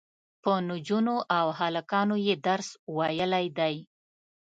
په نجونو او هلکانو یې درس ویلی دی.